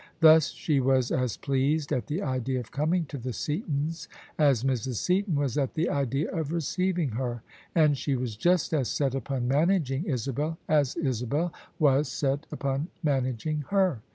Thus she was as pleased at the idea of coming to the Seatons as Mrs. Seaton was at the idea of receiving her: and she was just as set upon managing Isabel as Isabel was set upon managing her.